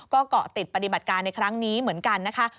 ก็เกาะติดปฏิบัติการในครั้งนี้เหมือนกันนะคะ